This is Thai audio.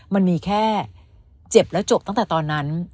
มันมีแค่เจ็บแล้วจบตั้งแต่ตอนนั้น